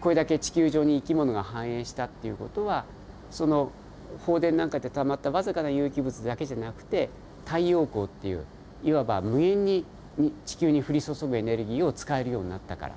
これだけ地球上に生き物が繁栄したっていう事は放電なんかでたまった僅かな有機物だけじゃなくて太陽光っていういわば無限に地球にふりそそぐエネルギーを使えるようになったから。